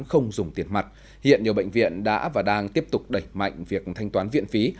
không dùng tiền mặt hiện nhiều bệnh viện đã và đang tiếp tục đẩy mạnh việc thanh toán viện phí